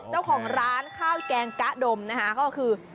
เจ้าของร้านข้าวแกงกะดมนะคะก็คือ